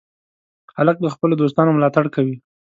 هلک د خپلو دوستانو ملاتړ کوي.